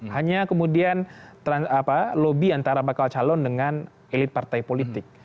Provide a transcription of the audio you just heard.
hanya kemudian lobby antara bakal calon dengan elit partai politik